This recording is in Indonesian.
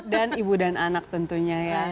dan ibu dan anak tentunya ya